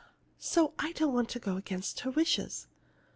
So I don't want to go against her wishes."